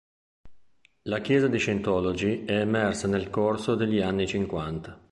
La Chiesa di Scientology è emersa nel corso degli anni cinquanta.